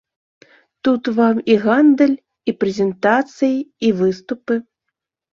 Тут вам і гандаль, і прэзентацыі, і выступы.